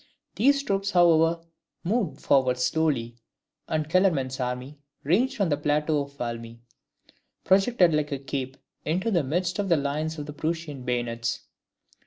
These troops, however, moved forward slowly; and Kellerman's army, ranged on the plateau of Valmy, "projected like a cape into the midst of the lines of the Prussian bayonets."